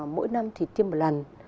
mỗi năm thì tiêm một lần